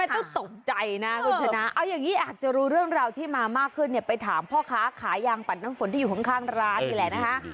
ก็ตกใจนะคุณชนะเอาอย่างนี้อาจจะรู้เรื่องราวที่มามากขึ้นเนี่ยไปถามพ่อค้าขายยางปัดน้ำฝนที่อยู่ข้างร้านนี่แหละนะคะ